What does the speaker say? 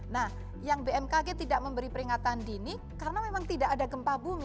nah yang bmkg tidak memberi peringatan dini karena memang tidak ada gempa bumi